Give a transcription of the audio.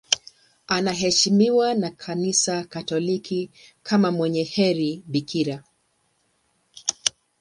Anaheshimiwa na Kanisa Katoliki kama mwenye heri bikira.